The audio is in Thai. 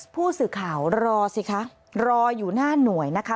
ผู้สื่อข่าวรอสิคะรออยู่หน้าหน่วยนะคะ